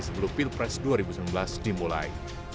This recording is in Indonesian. sebelum pilpres dua ribu sembilan belas dimulai